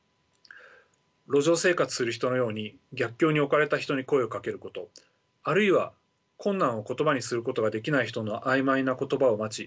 路上生活する人のように逆境に置かれた人に声をかけることあるいは困難を言葉にすることができない人の曖昧な言葉を待ち